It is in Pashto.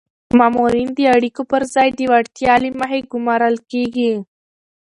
مامورین د اړیکو پر ځای د وړتیا له مخې ګمارل کیږي.